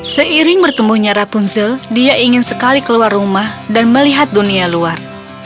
seiring bertemunya rapunzel dia ingin sekali keluar rumah dan melihat dunia luar